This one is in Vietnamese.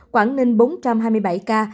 quảng ninh bốn trăm hai mươi bảy ca